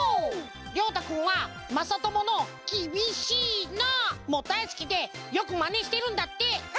りょうたくんはまさともの「きびしいな」もだいすきでよくまねしてるんだって。